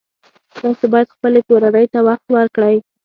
تاسو باید خپلې کورنۍ ته وخت ورکړئ